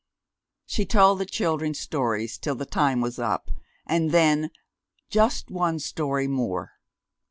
She told the children stories till the time was up, and then "just one story more."